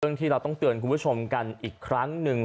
ที่เราต้องเตือนคุณผู้ชมกันอีกครั้งหนึ่ง